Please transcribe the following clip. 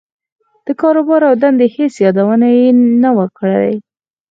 د کاروبار او دندې هېڅ يادونه يې نه وه کړې.